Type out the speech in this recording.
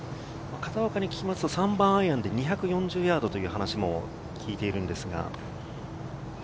片岡に聞きますと、３番アイアンで２４０ヤードという話も聞いているんですが。